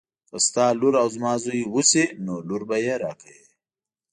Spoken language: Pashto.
که ستا لور او زما زوی وشي نو لور به یې راکوي.